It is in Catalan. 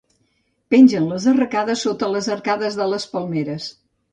Pengen les arracades sota les arcades de les palmeres.